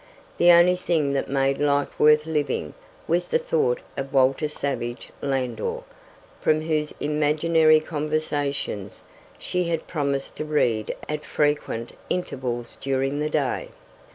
The only thing that made life worth living was the thought of Walter Savage Landor, from whose IMAGINARY CONVERSATIONS she had promised to read at frequent intervals during the day.